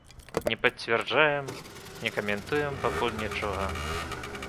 Не пацвярджаем, не каментуем пакуль нічога.